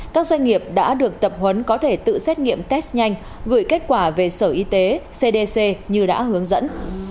các doanh nghiệp đã được tập huấn có thể tự xét nghiệm test nhanh gửi kết quả về sở y tế cdc như đã hướng dẫn